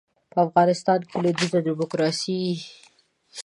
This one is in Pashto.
په افغانستان کې لویدیځه ډیموکراسي